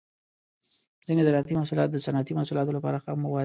ځینې زراعتي محصولات د صنعتي محصولاتو لپاره خام مواد دي.